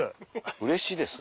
「うれしいです」？